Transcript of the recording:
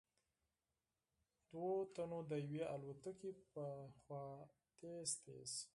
دوو تنو د يوې الوتکې په لور تېز تېز �